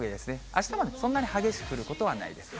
あしたはそんなに激しく降ることはないです。